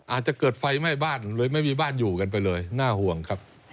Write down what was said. อาจจะเกิดไฟไหม้บ้านเลยไม่มีบ้านอยู่กันไปเลยน่าห่วงครับ